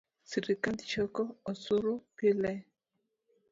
Sirikal choko osuru pile